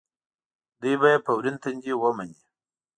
دوی به یې په ورین تندي ومني.